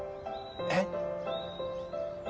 えっ？